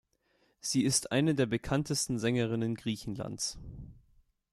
Sie ist eine der bekanntesten Sängerinnen Griechenlands.